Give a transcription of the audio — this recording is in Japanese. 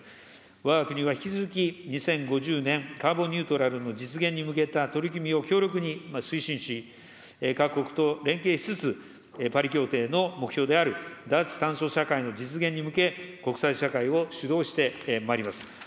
わが国は引き続き、２０５０年カーボンニュートラルの実現に向けた取り組みを強力に推進し、各国と連携しつつ、パリ協定の目標である脱炭素社会の実現に向け、国際社会を主導してまいります。